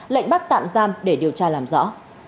lệnh bắt tạm giam để điều tra làm rõ